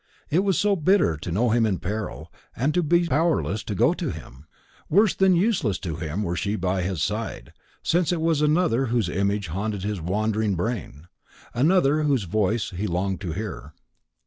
It was so bitter to know him in peril, and to be powerless to go to him; worse than useless to him were she by his side, since it was another whose image haunted his wandering brain another whose voice he longed to hear.